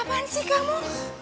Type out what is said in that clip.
apaan sih kamu